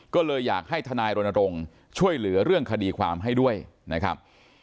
ก็เลยอยากให้ทนายรณรงค์ช่วยเหลือเรื่องคดีความให้ด้วยนะครับ